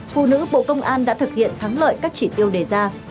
phụ nữ bộ công an đã thực hiện thắng lợi các chỉ tiêu đề ra